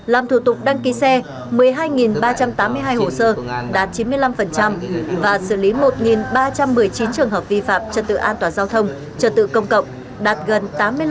làm thủ tục đăng ký xe một mươi hai ba trăm tám mươi hai hồ sơ đạt chín mươi năm và xử lý một ba trăm một mươi chín trường hợp vi phạm trật tự an toàn giao thông trật tự công cộng đạt gần tám mươi năm